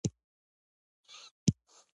د ګټه اخيستونکو ليست خپور کړي.